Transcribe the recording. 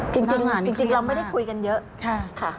จริงเราไม่ได้คุยกันเยอะค่ะ